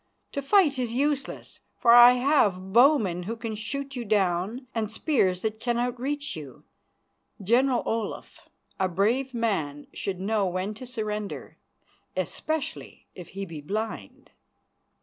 To fight is useless, for I have bowmen who can shoot you down and spears that can outreach you. General Olaf, a brave man should know when to surrender, especially if he be blind."